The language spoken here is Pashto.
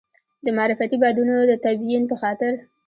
د معرفتي بعدونو د تبیین په خاطر.